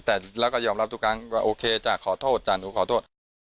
แต่แล้วก็ยอมรับทุกครั้งว่าโอเคจ้ะขอโทษจ้ะหนูขอโทษ